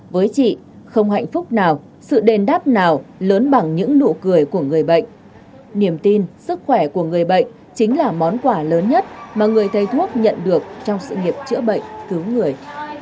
với chị không hạnh phúc nào sự đền đáp nào lớn bằng những nụ cười của người bệnh niềm tin sức khỏe của người bệnh chính là món quà lớn nhất mà người thầy thuốc nhận được trong sự nghiệp chữa bệnh cứu người